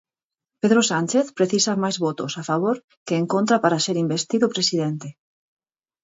Pedro Sánchez precisa máis votos a favor que en contra para ser investido presidente.